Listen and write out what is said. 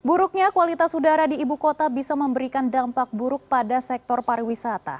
buruknya kualitas udara di ibu kota bisa memberikan dampak buruk pada sektor pariwisata